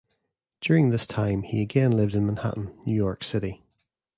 During this time he again lived in Manhattan, New York City.